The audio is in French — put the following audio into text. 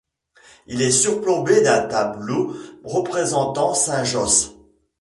Il est surplombé d'un tableau représentant saint Josse.